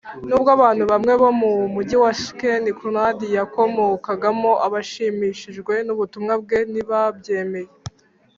Nubwo abantu bamwe bo mu mugi wa Skien Knud yakomokagamo bashimishijwe n ubutumwa bwe ntibabwemeye